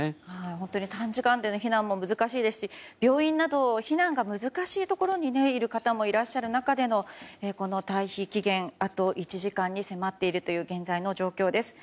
本当に短時間での避難も難しいですし病院など避難が難しいところにいる方もいらっしゃる中での退避期限あと１時間に迫っているという現在の状況です。